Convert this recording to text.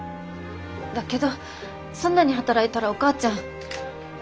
だけどそんなに働いたらお母ちゃん。